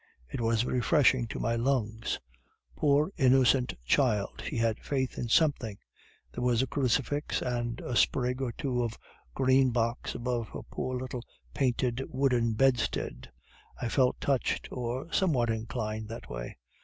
It was refreshing to my lungs. Poor innocent child, she had faith in something; there was a crucifix and a sprig or two of green box above her poor little painted wooden bedstead; I felt touched, or somewhat inclined that way.